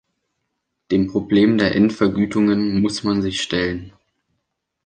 Dem Problem der Endvergütungen muss man sich stellen.